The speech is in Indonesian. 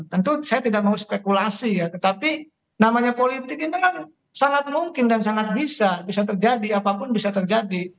tentu saya tidak mau spekulasi ya tetapi namanya politik ini kan sangat mungkin dan sangat bisa bisa terjadi apapun bisa terjadi